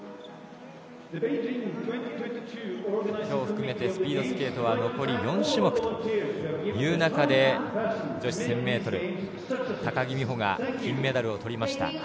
今日を含めてスピードスケートは残り４種目という中で女子１０００ｍ、高木美帆が金メダルをとりました。